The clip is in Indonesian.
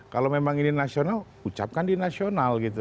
kalau memang ini nasional ucapkan di nasional gitu